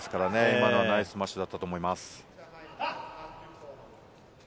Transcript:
今のはナイススマッシュだったと思います。